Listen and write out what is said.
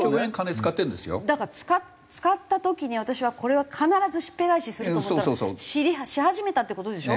だから使った時に私はこれは必ずしっぺ返しすると思ったらし始めたって事でしょ？